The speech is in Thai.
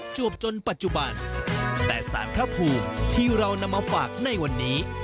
วบจนปัจจุบันแต่สารพระภูมิที่เรานำมาฝากในวันนี้